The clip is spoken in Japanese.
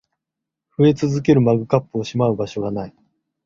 増え続けるマグカップをしまう場所が無い